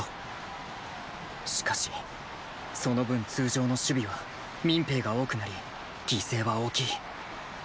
しかしその分通常の守備は民兵が多くなり犠牲は大きい。